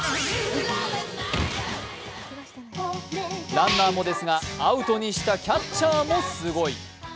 ランナーもですが、アウトにしたキャッチャーもすごい。